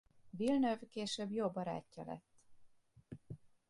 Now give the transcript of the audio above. Villeneuve később jó barátja lett.